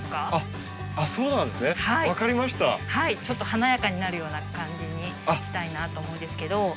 ちょっと華やかになるような感じにしたいなと思うんですけど。